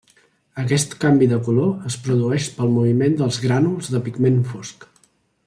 Aquest canvi de color es produeix pel moviment dels grànuls de pigment fosc.